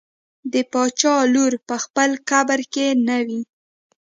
د باچا لور په خپل قبر کې نه وي.